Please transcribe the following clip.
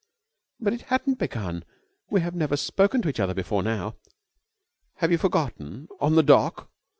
"But it hadn't begun. We have never spoken to each other before now." "Have you forgotten? On the dock...."